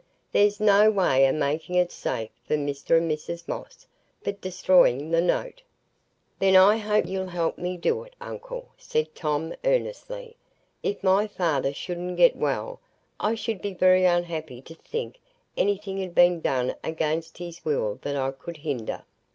"There's no way o' making it safe for Mr and Mrs Moss but destroying the note." "Then I hope you'll help me do it, uncle," said Tom, earnestly. "If my father shouldn't get well, I should be very unhappy to think anything had been done against his will that I could hinder.